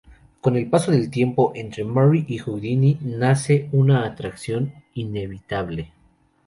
Con el paso del tiempo, entre Mary y Houdini nace una atracción inevitable...